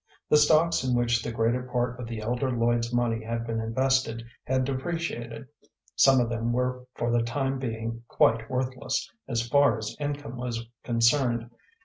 The stocks in which the greater part of the elder Lloyd's money had been invested had depreciated; some of them were for the time being quite worthless as far as income was concerned.